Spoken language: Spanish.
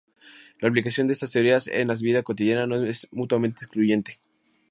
La aplicación de estas teorías en la vida cotidiana no es mutuamente excluyente.